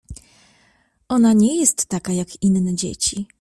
— Ona nie jest taka, jak inne dzieci.